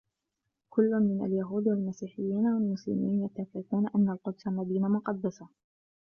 كلّ من اليهود و المسيحيّين و المسلمين يتّفقون أنّ القدس مدينة مقدّسة.